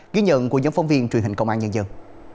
ghi nhận của nhóm phóng viên truyền hình công an nhân dân